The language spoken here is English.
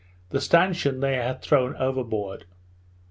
The stanchion they had thrown over board.